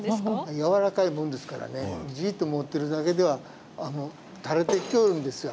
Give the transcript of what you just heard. やわらかいものですからねじっと持っているだけでは垂れてきよるんですよ。